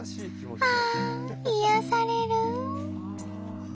ああ癒やされる。